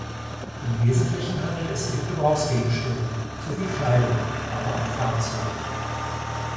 Im Wesentlichen handelte es sich um Gebrauchsgegenstände sowie Kleidung, aber auch Fahrzeuge.